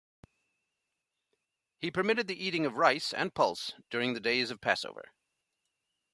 He permitted the eating of rice and pulse during the days of Passover.